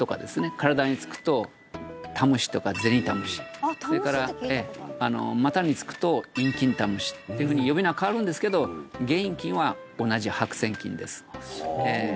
身体につくとタムシとかゼニタムシそれから股につくとインキンタムシっていうふうに呼び名は変わるんですけど原因菌は同じ白せん菌です